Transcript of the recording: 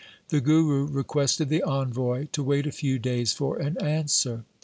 The Guru requested the envoy to wait a few days for an answer.